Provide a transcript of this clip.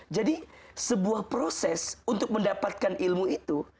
jadi sebuah proses untuk mendapatkan ilmu itu